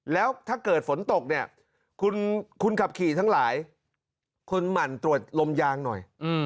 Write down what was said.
แล้วถ้าเกิดฝนตกเนี่ยคุณขับขี่ทั้งหลายคุณหมั่นตรวจลมยางหน่อย